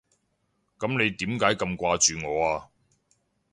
噉你點解咁掛住我啊？